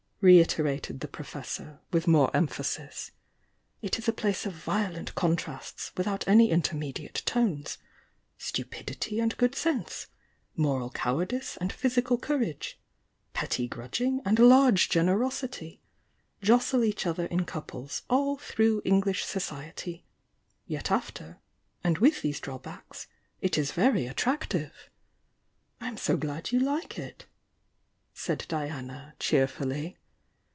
reiterated the Professor, with more emphasis. "It is a place of violent con trasts without any intermediate tones. Stupidity and good sense, moral cowardice and physical cour age, petty grudging and large generosity, jostle each other in couples all through English society, yet af ter, and with these drawbacks, it is very attractive!" "I'm so glad you like it," said Diana, cheerfully.